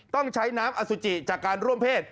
ต้องใช้น้ำอสุจิจากการร่วมเพศ